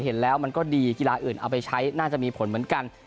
เห็นแล้วมันก็ดีกีฬาอื่นเอาไปใช้น่าจะมีผลเหมือนกัน